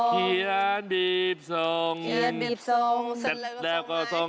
คาถาที่สำหรับคุณ